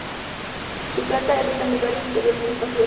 Su planta es rectangular y su interior muy espacioso.